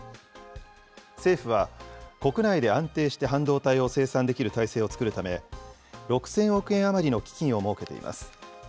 政府は、国内で安定して半導体を生産できる体制を作るため、６０００億円余りの基金を設けています。